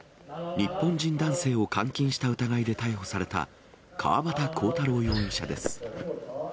日本人男性を監禁した疑いで逮捕された、川端浩太郎容疑者です。